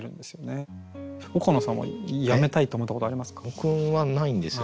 僕はないんですよ。